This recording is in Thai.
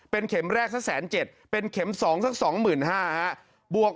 เป็นเข็มแรกสัก๑๐๗เป็นเข็มสองสัก๒๕๐๐๐